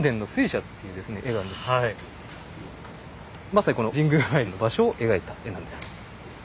まさにこの神宮前の場所を描いた絵なんです。